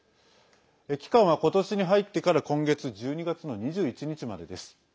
期間は今年に入ってから今月１２月の２１日までです。